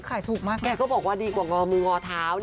ขายถูกมากแกก็บอกว่าดีกว่างอมืองอเท้า